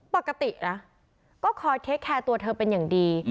ปกตินะก็คอยเทคแคร์ตัวเธอเป็นอย่างดี